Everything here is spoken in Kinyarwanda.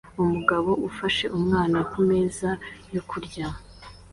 Umugabo ufashe umwana kumeza yo kurya